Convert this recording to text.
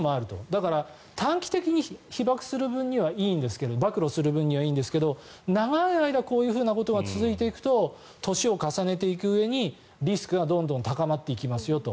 だから、短期的に暴露する分にはいいんですけど長い間こういうことが続いていくと年を重ねていくうえにリスクがどんどん高まっていきますよと。